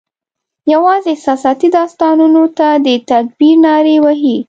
یوازي احساساتي داستانونو ته د تکبیر نارې وهي